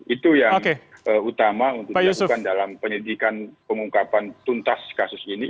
itu yang utama untuk dilakukan dalam penyidikan pengungkapan tuntas kasus ini